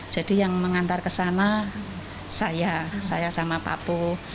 yang mengantar ke sana saya saya sama pak pu